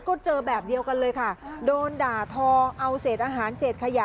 ก็เจอแบบเดียวกันเลยค่ะโดนด่าทอเอาเศษอาหารเศษขยะ